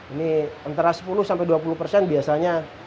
ini antara sepuluh sampai dua puluh persen biasanya